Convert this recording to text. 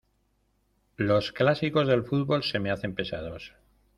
Los clásicos de fútbol se me hacen pesados.